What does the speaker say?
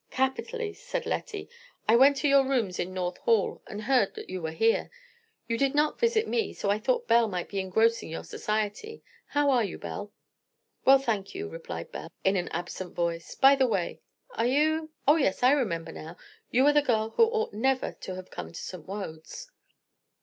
"Capitally," said Lettie. "I went to your rooms in North Hall and heard that you were here. You did not visit me, so I thought Belle might be engrossing your society. How are you, Belle?" "Well, thank you," replied Belle, in an absent voice. "By the way, are you?—oh, yes! I remember now; you are—the girl who ought never to have come to St. Wode's."